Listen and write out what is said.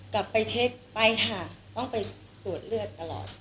กลับไปเช็คไปค่ะต้องไปตรวจเลือดตลอด